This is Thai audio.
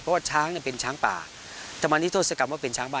เพราะว่าช้างเป็นช้างป่าถ้ามันนิตรสตรกรรมว่าเป็นช้างป่า